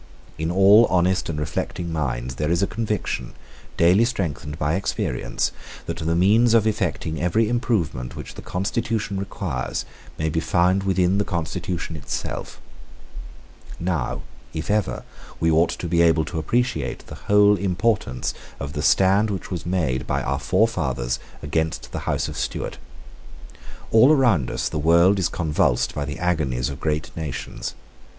In all honest and reflecting minds there is a conviction, daily strengthened by experience, that the means of effecting every improvement which the constitution requires may be found within the constitution itself. Now, if ever, we ought to be able to appreciate the whole importance of the stand which was made by our forefathers against the House of Stuart. All around us the world is convulsed by the agonies of great nations.